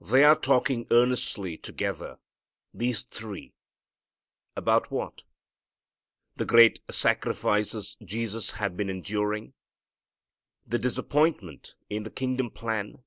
They are talking earnestly together, these three, about what? The great sacrifices Jesus had been enduring? The disappointment in the kingdom plan?